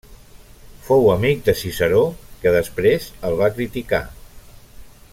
Fou amic de Ciceró, que després el va criticar.